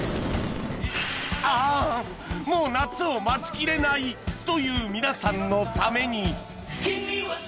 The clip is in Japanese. ああもう夏を待ちきれない！という皆さんのために